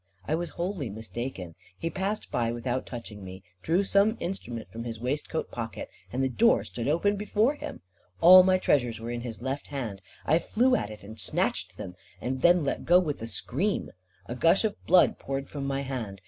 I was wholly mistaken. He passed by, without touching me, drew some instrument from his waistcoat pocket, and the door stood open before him. All my treasures were in his left hand. I flew at, and snatched them, and then let go with a scream. A gush of blood poured from my hand.